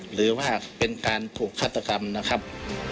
หรือว่าเป็นการถูกฆาตกรรมนะครับ